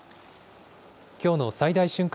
きょうの最大瞬間